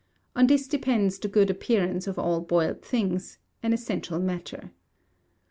On this depends the good appearance of all boiled things an essential matter.